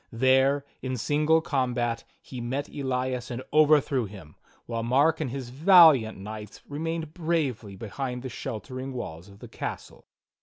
There, in single combat, he met Elias and overthrew him, while jMark and his valiant knights remained bravely behind the sheltering walls of the castle.